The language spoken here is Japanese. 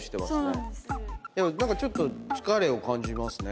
何かちょっと疲れを感じますね。